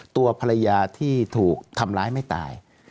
ตัวภรรยาที่ถูกทำร้ายไม่ตาย